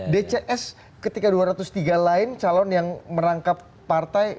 dcs ketika dua ratus tiga lain calon yang merangkap partai